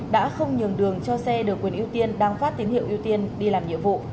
đã không nhường đường cho xe được quyền ưu tiên đang phát tín hiệu ưu tiên đi làm nhiệm vụ